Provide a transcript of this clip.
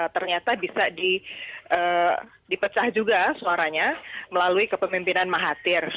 ternyata bisa dipecah juga suaranya melalui kepemimpinan mahathir